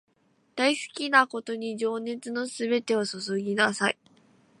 大好きなことに情熱のすべてを注ぎなさい